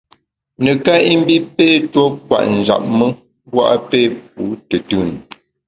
Neká i mbi pé tuo kwet njap me, mbu a pé pu tùtùn.